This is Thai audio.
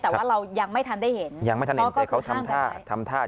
แต่ว่าเรายังไม่ทำได้เห็นยังไม่ทำได้เห็นแต่เขาทำท่า